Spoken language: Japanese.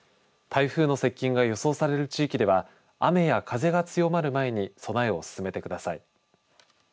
台風の接近が予想される地域では雨や風が強まる前に備えを進めてください。